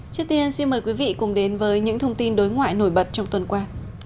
trước tiên xin mời quý vị cùng đến với những thông tin đối ngoại nổi bật trong tuần qua